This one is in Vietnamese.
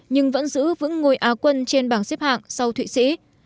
nhưng vẫn giữ vững ngôi á quân trên bảng xếp hạng sau thụy sĩ